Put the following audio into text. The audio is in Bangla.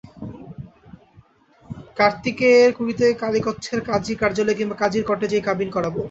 কার্তিকের কুড়িতে কালীকচ্ছের কাজীর কার্যালয়ে কিংবা কাজীর কটেজেই কাবিন করাবো।